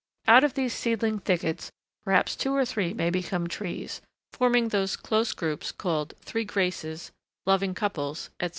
Out of these seedling thickets perhaps two or three may become trees, forming those close groups called "three graces," "loving couples," etc.